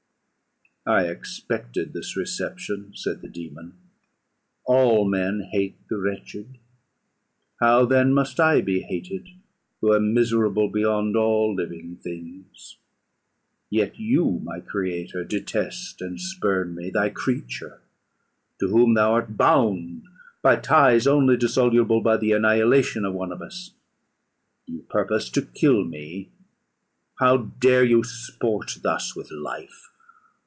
"I expected this reception," said the dæmon. "All men hate the wretched; how, then, must I be hated, who am miserable beyond all living things! Yet you, my creator, detest and spurn me, thy creature, to whom thou art bound by ties only dissoluble by the annihilation of one of us. You purpose to kill me. How dare you sport thus with life?